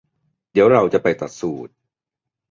เดี๋ยวเราจะไปตัดสูท